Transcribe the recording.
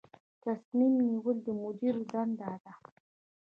تصمیم نیول د مدیر دنده ده